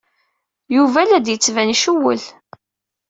Yuba la d-yettban icewwel.